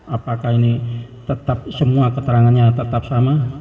apakah ini tetap semua keterangannya tetap sama